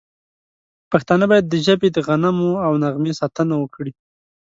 پښتانه باید د ژبې د غنمو او نغمې ساتنه وکړي.